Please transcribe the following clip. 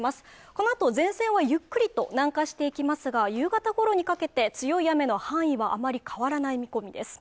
このあと前線はゆっくりと南下していきますが夕方ごろにかけて強い雨の範囲はあまり変わらない見込みです